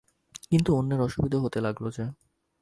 কিন্তু অন্যের অসুবিধে হতে লাগল যে।